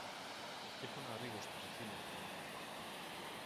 κ’ έχω ένα ρίγος στην ψυχή μου ακόμα